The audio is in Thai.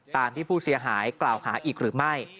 ตามที่ผู้เสียหายกล่าวหาอีกหรือไม่